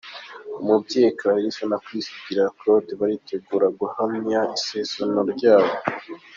Umubyeyi Clarisse na Kwizigera Claude baritegura guhamya isezerano ryabo.